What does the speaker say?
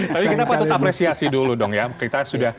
tapi kenapa tidak apresiasi dulu dong ya